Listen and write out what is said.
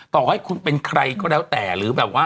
ต่อให้คุณเป็นใครก็แล้วแต่